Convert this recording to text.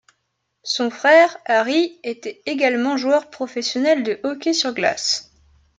Son frère, Harry, était également joueur professionnel de hockey sur glace.